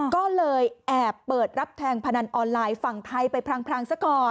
ก็เลยแอบเปิดรับแทงพนันออนไลน์ฝั่งไทยไปพลังซะก่อน